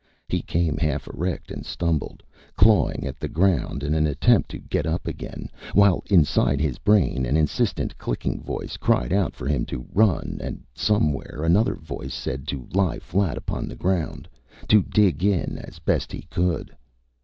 He came half erect and stumbled, clawing at the ground in an attempt to get up again, while inside his brain an insistent, clicking voice cried out for him to run, and somewhere another voice said to lie flat upon the ground, to dig in as best he could.